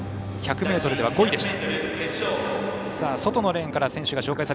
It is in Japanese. １００ｍでは５位でした。